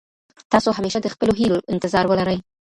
تاسو همېشه د خپلو هيلو انتظار ولرئ.